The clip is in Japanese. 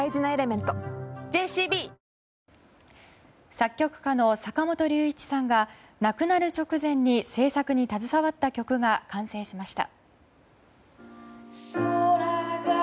作曲家の坂本龍一さんが亡くなる直前に制作に携わった曲が完成しました。